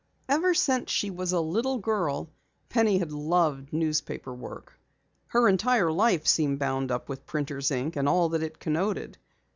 Ever since she was a little girl, Penny had loved newspaper work. Her entire life seemed bound up with printer's ink and all that it connoted.